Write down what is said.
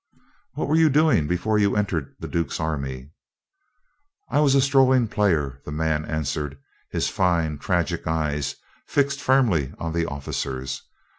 "What were you doing before you entered the duke's army?" "I was a strolling player," the man answered, his fine tragic eyes fixed firmly on the officers.